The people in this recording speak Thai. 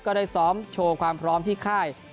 ก็ได้ซ้อมโชว์ความพร้อมที่ค่าย